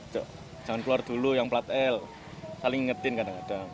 dok jangan keluar dulu yang plat l saling ngetin kadang kadang